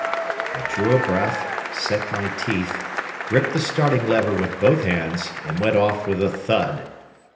"I drew a breath, set my teeth, gripped the starting lever with both hands, and went off with a thud.